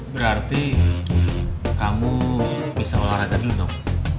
berarti kamu bisa olahraga dulu dok